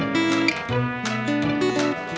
สิ่งที่ชัด